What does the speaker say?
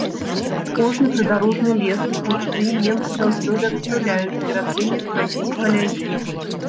Кожны прыдарожны лес, кусты немцы заўсёды абстраляюць, перад тым як прайсці каля іх.